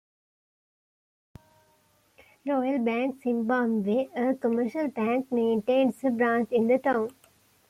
Royal Bank Zimbabwe, a commercial bank, maintains a branch in the town.